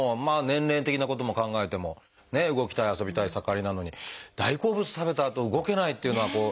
年齢的なことも考えてもね動きたい遊びたい盛りなのに大好物食べたあと動けないっていうのは。